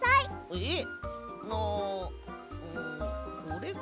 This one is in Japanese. えっ？